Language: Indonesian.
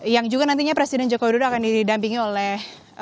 yang juga nantinya presiden joko widodo akan didampingi oleh